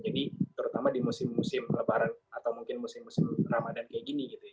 jadi terutama di musim musim lebaran atau mungkin musim musim ramadhan kayak gini gitu ya